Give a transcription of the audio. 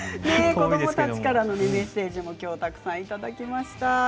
子どもたちからのメッセージもたくさんいただきました。